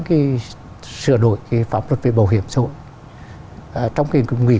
cái sửa đổi cái pháp luật về bảo hiểm xã hội trong cái nghị